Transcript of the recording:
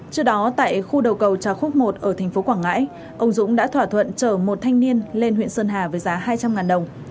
trước đó tại khu đầu cầu trà khúc một ở tp quảng ngãi ông dũng đã thỏa thuận trở một thanh niên lên huyện sơn hà với giá hai trăm linh đồng